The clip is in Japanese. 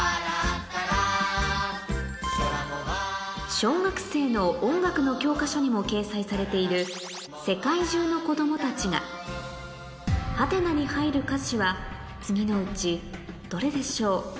小学生の音楽の教科書にも掲載されている『世界中のこどもたちが』次のうちどれでしょう？